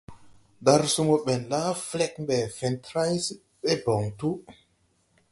Darsumo ɓɛn la flɛg mbɛ fentray ɓɛ bɔŋ tu.